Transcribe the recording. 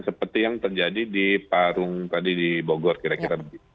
seperti yang terjadi di parung tadi di bogor kira kira begitu